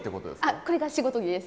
これが仕事着です。